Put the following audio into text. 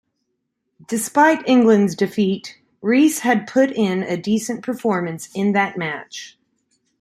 Despite England's defeat, Rees had put in a decent performance in that match.